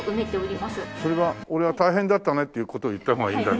それは俺は大変だったねっていう事を言った方がいいんだね？